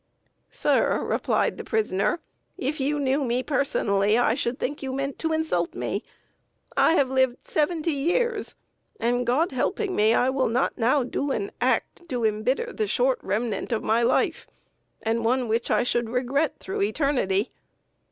"Sir," replied the prisoner, "if you knew me personally, I should think you meant to insult me. I have lived seventy years, and, God helping me, I will not now do an act to embitter the short remnant of my life, and one which I should regret through eternity.